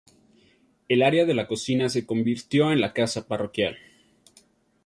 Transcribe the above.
El área de la cocina se convirtió en la casa parroquial.